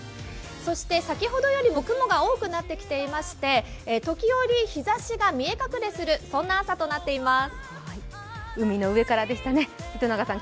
そして先ほどよりも雲が多くなってきていまして時折、日ざしが見え隠れするそんな朝となっています。